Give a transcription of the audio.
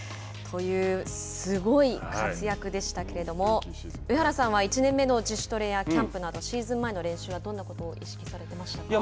というすごい活躍でしたけれども上原さんは１年目の自主トレやキャンプなどシーズン前の練習はどんなことを意識されてましたか。